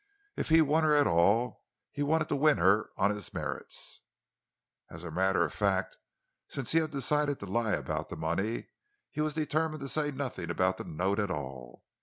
If he won her at all, he wanted to win her on his merits. As a matter of fact, since he had decided to lie about the money, he was determined to say nothing about the note at all.